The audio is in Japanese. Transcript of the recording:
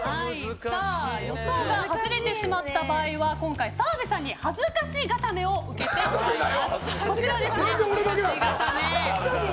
予想が外れてしまった場合は今回、澤部さんに恥ずかし固めを受けていただきます。